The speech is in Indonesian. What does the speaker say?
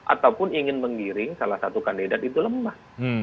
ataupun ingin menggiring salah satu kandidat itu lemah